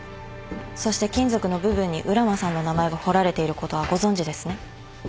そして金属の部分に浦真さんの名前が彫られていることはご存じですね？